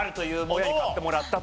親に買ってもらったと。